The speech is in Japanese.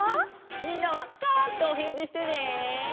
みんなは「カァ」っておへんじしてね！